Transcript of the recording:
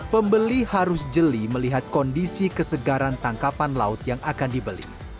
pembeli harus jeli melihat kondisi kesegaran tangkapan laut yang akan dibeli